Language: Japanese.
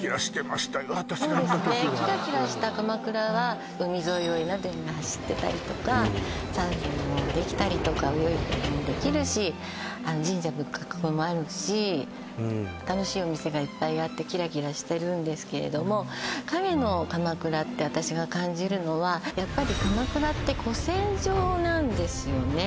私が行った時はそうですねキラキラした鎌倉は海沿いを江ノ電が走ってたりとかサーフィンもできたりとか泳いだりもできるし神社仏閣もあるし楽しいお店がいっぱいあってキラキラしてるんですけれども影の鎌倉って私が感じるのはやっぱり鎌倉って古戦場なんですよね